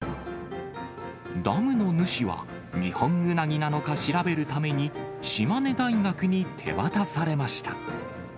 ダムの主はニホンウナギなのか調べるために、島根大学に手渡されました。